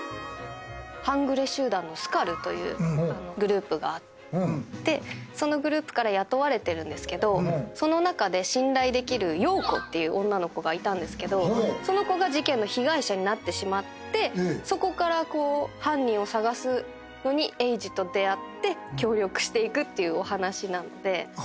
半グレ集団のスカルというグループがあってそのグループから雇われてるんですけどその中で信頼できる葉子っていう女の子がいたんですけどその子が事件の被害者になってしまってそこからこう犯人を捜すのにエイジと出会って協力していくっていうお話なので。